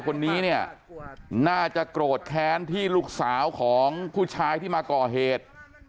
คนนี้เนี่ยน่าจะโกรธแค้นที่ลูกสาวของผู้ชายที่มาก่อเหตุ